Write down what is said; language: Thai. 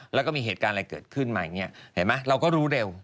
แล้วก็มีเหตุการณ์อะไรเกิดขึ้นมาอย่างนี้เห็นไหมเราก็รู้เร็ว